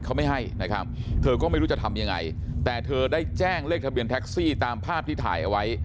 เขาไม่ให้นะครับเธอก็ไม่รู้จะทำยังไงแต่เธอได้แจ้งเลขทะเบียนแท็กซี่ตามภาพที่ถ่ายเอาไว้